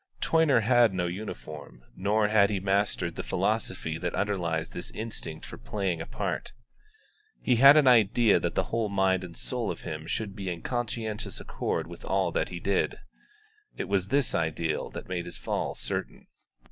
Toyner had no uniform, nor had he mastered the philosophy that underlies this instinct for playing a part; he had an idea that the whole mind and soul of him should be in conscientious accord with all that he did. It was this ideal that made his fall certain.